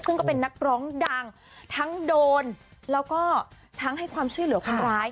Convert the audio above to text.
ซึ่งก็เป็นนักร้องดังทั้งโดนแล้วก็ทั้งให้ความช่วยเหลือคนร้าย